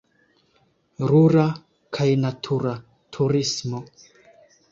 Rura kaj natura turismo.